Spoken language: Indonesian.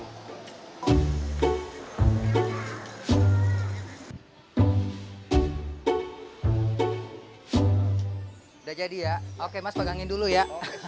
sudah jadi ya oke mas pegangin dulu ya